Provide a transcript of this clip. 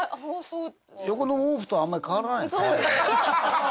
横の毛布とあんまり変わらないよかわいさ。